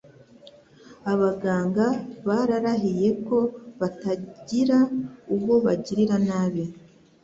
Abaganga bararahiye ko batagira uwo bagirira nabi.